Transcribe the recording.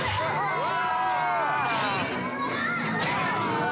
うわ！